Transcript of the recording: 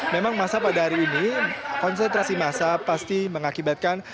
memang masa pada hari ini konsentrasi massa pasti mengakibatkan